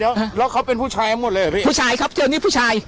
แล้วแล้วเขาเป็นผู้ชายหมดเลยเหรอพี่ผู้ชายครับเจอนี่ผู้ชาย